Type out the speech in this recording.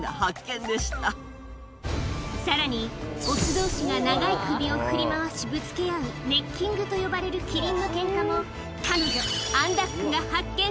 さらに、雄どうしが長い首を振り回しぶつけ合うネッキングと呼ばれるキリンのけんかも、彼女、アン・ダッグが発見。